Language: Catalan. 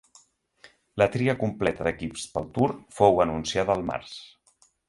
La tria completa d'equips pel Tour fou anunciada el març.